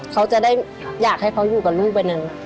เขาจะได้อยากให้เขาอยู่กับลูกไปนาน